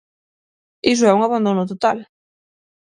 Iso é un abandono total.